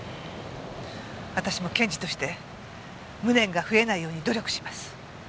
私も検事として無念が増えないように努力します。